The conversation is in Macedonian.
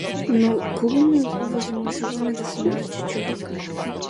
На кого му овозможуваме да се нарече човек?